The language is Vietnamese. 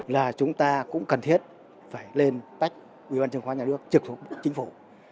là chúng ta cũng cần thiết phải lên tách ủy ban chứng khoán nhà nước trực thuộc bộ chính phủ